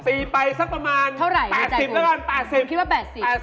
ตีไปสักประมาณ๘๐ก่อนคุณใจปุ๊บคุณคิดว่า๘๐